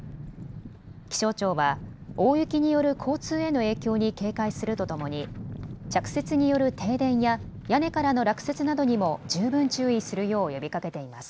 気象庁は大雪による交通への影響に警戒するとともに着雪による停電や屋根からの落雪などにも十分注意するよう呼びかけています。